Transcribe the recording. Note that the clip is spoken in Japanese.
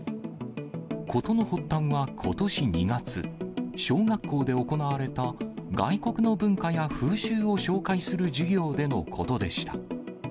事の発端はことし２月、小学校で行われた外国の文化や風習を紹介する授業でのことでした。